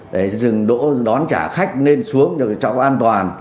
dừng đỗ đón trả khách lên xuống cho an toàn